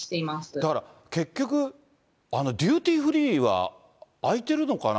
だから結局、デューティーフリーは開いてるのかな。